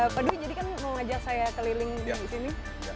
pak dwi jadi kan mengajak saya keliling di sini